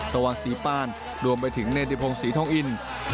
ตะวังศรีปราณรวมไปถึงเนตย์ภงศรีท้องอินทร์